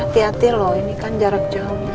hati hati loh ini kan jarak jauh